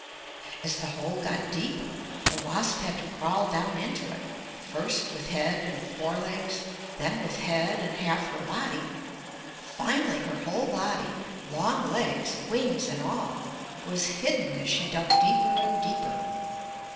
As the hole got deeper, the wasp had to crawl down into it, first with head and fore legs, then with head and half her body; finally her whole body, long legs, wings and all, was hidden as she dug deeper and deeper.